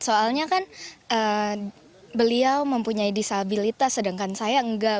soalnya kan beliau mempunyai disabilitas sedangkan saya enggak